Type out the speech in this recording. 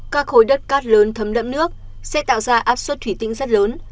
các khối đất cát lớn thấm đẫm nước sẽ tạo ra áp suất thủy tinh rất lớn